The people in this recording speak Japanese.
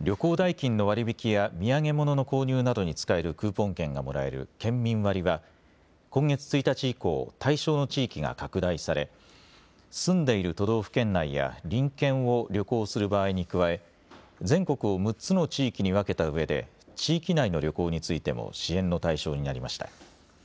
旅行代金の割り引きや土産物の購入などに使えるクーポン券がもらえる県民割は今月１日以降、対象の地域が拡大され住んでいる都道府県内や隣県を旅行する場合に加え全国を６つの地域に分けたうえで地域内の旅行についても支援の対象になりました。